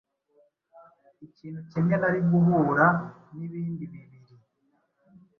ikintu kimwe nari guhura n’ibindi bibiri